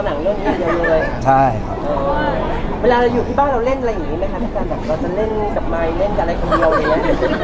เวลาเราอยู่ที่บ้านเราเล่นอะไรอย่างงี้ไหมฮะพระอาจารย์เราจะเล่นกับไมค์เล่นกับอะไรคนเดียวเนี้ย